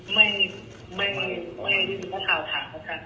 ไม่ไม่ไม่ยินคุณพุทธจะถามนะครับ